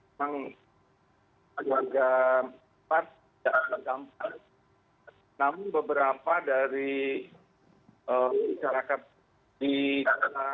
memang warga tempat tidak terdampak namun beberapa dari masyarakat di sana